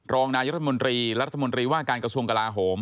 รองนายรัฐมนตรีและรัฐมนตรีว่าการกระทรวงกลาโหม